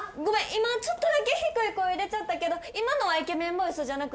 今ちょっとだけ低い声出ちゃったけど今のはイケメンボイスじゃなくて私のくしゃみな。